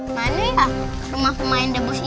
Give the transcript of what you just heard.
mana ya rumah pemain debos itu